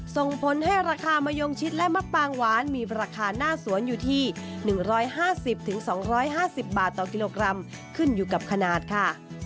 ส่งผลให้ราคามะยงชิดและมะปางหวานมีราคาหน้าสวนอยู่ที่๑๕๐๒๕๐บาทต่อกิโลกรัมขึ้นอยู่กับขนาดค่ะ